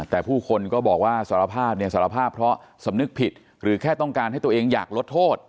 แต่ผู้คนก็บอกว่าสารภาพเนี่ยสารภาพเพราะสำนึกผิดหรือแค่ต้องการให้ตัวเองอยากลดโทษ